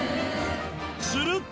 すると！